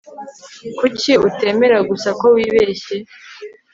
kuki utemera gusa ko wibeshye